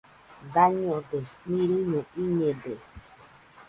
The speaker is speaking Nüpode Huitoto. Dañode, mirɨño iñede.